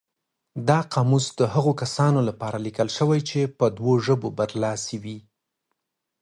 دا قاموس د هغو کسانو لپاره لیکل شوی چې په دوو ژبو برلاسي وي.